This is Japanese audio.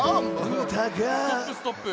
ストップストップ。